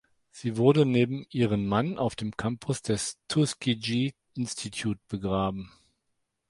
Sie wurde neben ihren Mann auf dem Campus des Tuskegee Institute begraben.